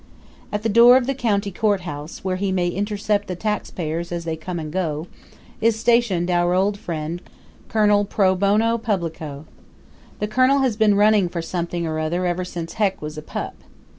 At the door of the county courthouse, where he may intercept the taxpayers as they come and go, is stationed our old friend, Colonel Pro Bono Publico. The Colonel has been running for something or other ever since Heck was a pup.